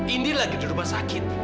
indi lagi di rumah sakit